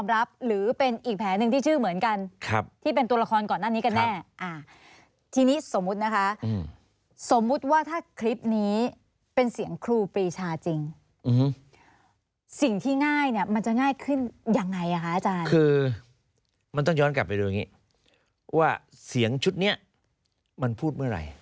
เรียกว่าใครเป็นคนพูด